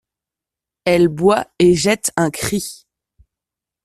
Elle boit et jette un cri.